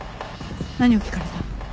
何を聞かれた？